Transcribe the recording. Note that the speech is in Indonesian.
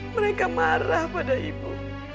mereka marah pada ibu